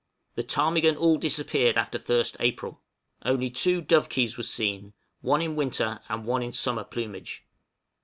The ptarmigan all disappeared after 1st April. Only 2 dovekies were seen, 1 in winter, and 1 in summer plumage.